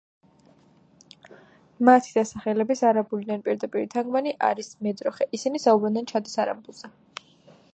მათი დასახელების არაბულიდან პირდაპირი თარგმანი არის მეძროხე, ისინი საუბრობენ ჩადის არაბულზე.